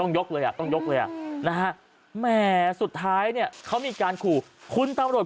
ยกเลยอ่ะต้องยกเลยอ่ะนะฮะแหมสุดท้ายเนี่ยเขามีการขู่คุณตำรวจ